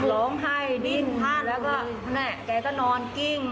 ร้องให้ดิ้งท่านแล้วก็แน่แกจะนอนกิ้ง